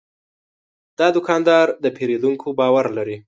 دا دوکاندار د پیرودونکو باور لري.